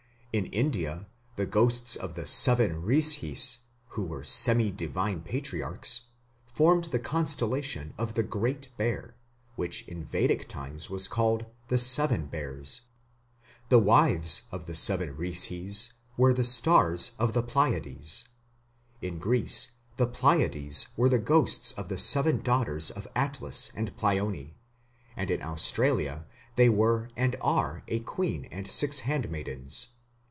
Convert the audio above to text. In India the ghosts of the "seven Rishis", who were semi divine Patriarchs, formed the constellation of the Great Bear, which in Vedic times was called the "seven bears". The wives of the seven Rishis were the stars of the Pleiades. In Greece the Pleiades were the ghosts of the seven daughters of Atlas and Pleione, and in Australia they were and are a queen and six handmaidens.